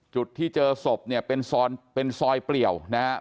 จุดที่เจอศพเนี่ยเป็นซอยเปรี่ยวนะครับ